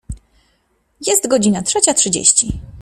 Jest godzina trzecia trzydzieści.